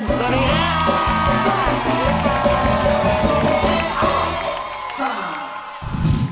สวัสดีครับ